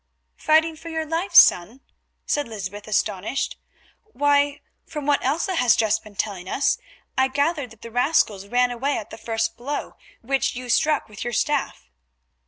"Fighting for your life, son!" said Lysbeth astonished. "Why, from what Elsa has just been telling us, I gathered that the rascals ran away at the first blow which you struck with your staff."